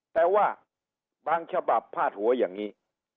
แต่ว่าบางฉบับพาดหัวอย่างนี้